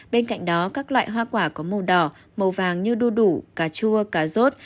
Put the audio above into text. bên cạnh đó các loại hoa quả có màu đỏ màu vàng như đu đủ cà chua cá rốt